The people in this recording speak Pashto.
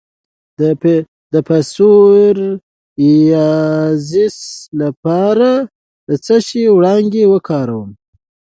د پسوریازیس لپاره د څه شي وړانګې وکاروم؟